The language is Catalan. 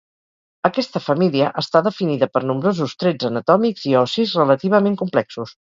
Aquesta família està definida per nombrosos trets anatòmics i ossis relativament complexos.